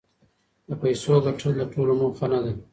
د پیسو ګټل د ټولو موخه نه ده.